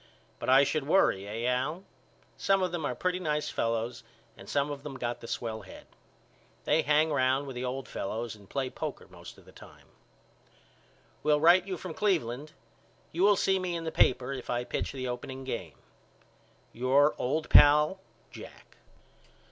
But I should worry eh Al? Some of them are pretty nice fellows and some of them got the swell head. They hang round with the old fellows and play poker most of the time. Will write you from Cleveland. You will see in the paper if I pitch the opening game. Your old pal, JACK.